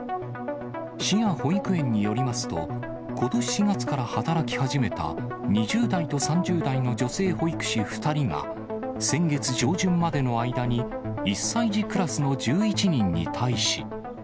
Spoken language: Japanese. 市や保育園によりますと、ことし４月から働き始めた２０代と３０代の女性保育士２人が、先月上旬までの間に１歳児クラスの１１人に対し。